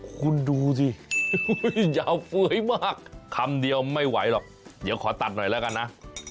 คุณดูสิยาวเฟ้ยมากคำเดียวไม่ไหวหรอกเดี๋ยวขอตัดหน่อยแล้วกันนะ